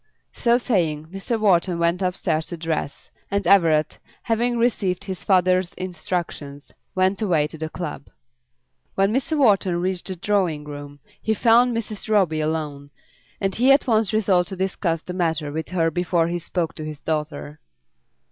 So saying, Mr. Wharton went upstairs to dress, and Everett, having received his father's instructions, went away to the club. When Mr. Wharton reached the drawing room, he found Mrs. Roby alone, and he at once resolved to discuss the matter with her before he spoke to his daughter.